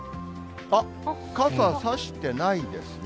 あっ、傘差してないですね。